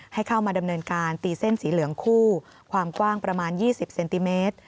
ให้เข้ามาดำเนินการตีเส้นสีเหลืองคู่ความกว้างประมาณ๒๐เซนติเมตร